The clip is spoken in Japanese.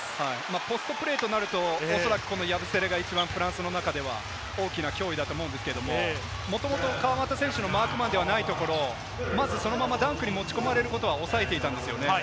ポストプレーとなると、おそらくこのヤブセレが一番フランスの中では大きな脅威だと思うんですけれども、もともと川真田選手のマークマンではないところを、まずそのままダンクに持ち込まれることを押さえていました。